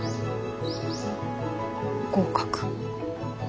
合格。